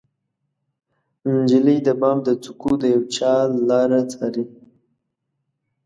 نجلۍ د بام د څوکو د یوچا لاره څارې